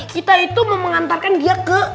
kita itu mengantarkan dia ke